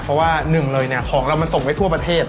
เพราะว่าหนึ่งเลยเนี่ยของเรามันส่งไว้ทั่วประเทศ